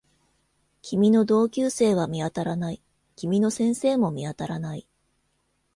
君の同級生は見当たらない。君の先生も見当たらない